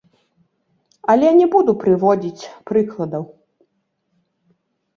Але не буду прыводзіць прыкладаў.